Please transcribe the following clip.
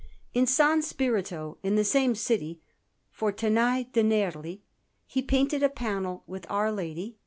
In S. Spirito in the same city, for Tanai de' Nerli, he painted a panel with Our Lady, S.